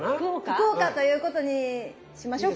福岡ということにしましょうか？